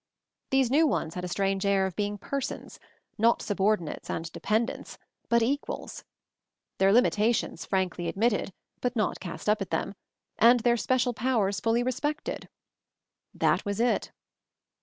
These new ones had a strange air of being Persons, not subordinates and dependents, but Equals; their limitations frankly ad mitted, but not cast up at them, and their special powers fully respected. That was it!